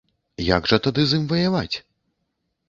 Як жа тады з ім ваяваць?